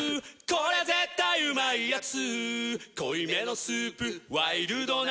これ絶対うまいやつ」